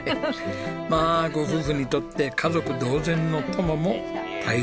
まあご夫婦にとって家族同然の友も大切な宝ですね。